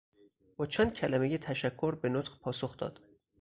با چند کلمهی تشکر به نطق پاسخ داد.